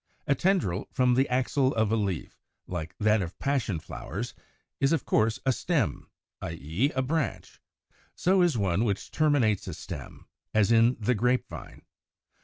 A tendril from the axil of a leaf, like that of Passion flowers (Fig. 92) is of course a stem, i. e. a branch. So is one which terminates a stem, as in the Grape Vine.